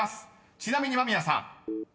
ちなみに間宮さん］